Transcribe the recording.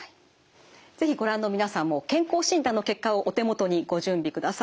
是非ご覧の皆さんも健康診断の結果をお手元にご準備ください。